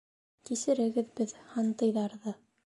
Кисерегеҙ беҙ, һантыйҙарҙы.